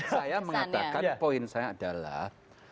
saya mengatakan poin saya adalah